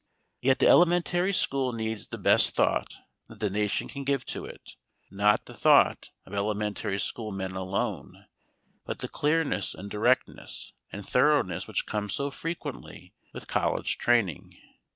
Yet the elementary school needs the best thought that the nation can give to it; not the thought of elementary school men alone, but the clearness and directness and thoroughness which come so frequently with college training.